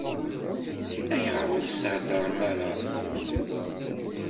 Ayɣer ur s-thedrem ara?